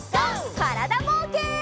からだぼうけん。